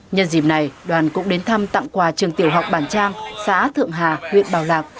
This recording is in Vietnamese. nhân dịp này đoàn cũng đến thăm tặng quà trường tiểu học bản trang xã thượng hà huyện bảo lạc